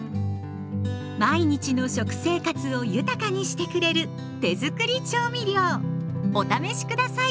毎日の食生活を豊かにしてくれる手づくり調味料お試し下さい！